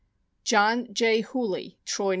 John J. Hooley, Troy, N.